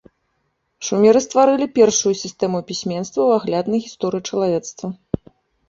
Шумеры стварылі першую сістэму пісьменства ў агляднай гісторыі чалавецтва.